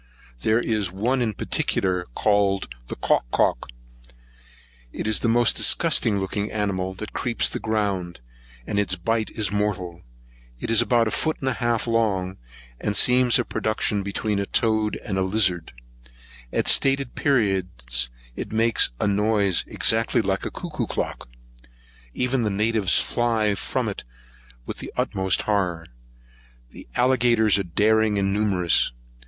There is one in particular called the cowk cowk; it is the most disgusting looking animal that creeps the ground, and its bite is mortal. It is about a foot and a half long, and seems a production between the toad and lizard. At stated periods it makes a noise exactly like a cuckoo clock. Even the natives fly from it with the utmost horror. The alligators are daring and numerous.